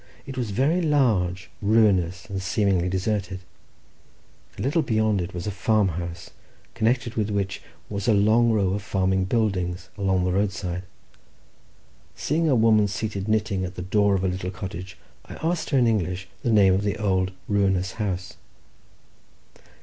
It was very large, ruinous, and seemingly deserted. A little beyond it was a farm house, connected with which was a long row of farming buildings along the roadside. Seeing a woman seated knitting at the door of a little cottage, I asked her in English the name of the old ruinous house.